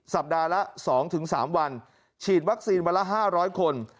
สัปดาห์ละ๒๓วันฉีดวัคซีนวันละ๕๐๐คน